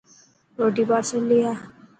روٽي پارسل لي آءِ.